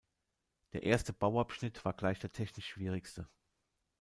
Der erste Bauabschnitt war gleich der technisch schwierigste.